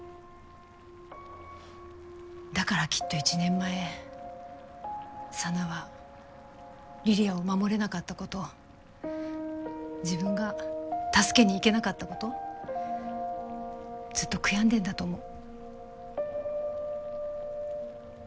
だからきっと１年前沙奈は梨里杏を守れなかったこと自分が助けに行けなかったことずっと悔やんでんだと思う。